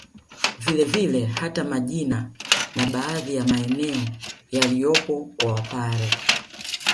Vile vile hata majina na baadhi ya maeneo yaliyopo kwa Wapare